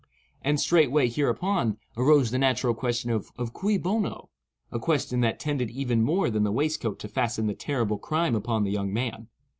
And straightway hereupon, arose the natural question of cui bono?—a question that tended even more than the waistcoat to fasten the terrible crime upon the young man.